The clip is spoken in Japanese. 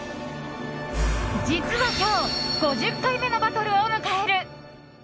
実は今日５０回目のバトルを迎える。